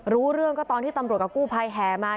รู้เรื่องก็ตอนที่ตำรวจกระกู้แพลงแฮมา